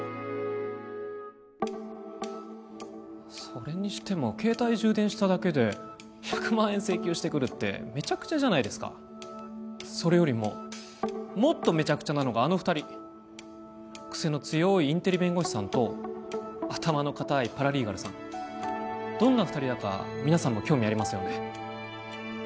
それにしても携帯充電しただけで１００万円請求してくるってめちゃくちゃじゃないですかそれよりももっとめちゃくちゃなのがあの２人クセの強いインテリ弁護士さんと頭の固いパラリーガルさんどんな２人だか皆さんも興味ありますよね？